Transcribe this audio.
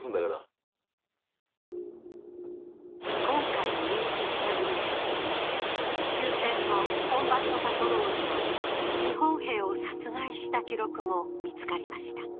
今回入手した文書には終戦後コンバットパトロールが日本兵を殺害した記録も見つかりました。